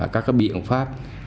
các biện pháp tiêu đọc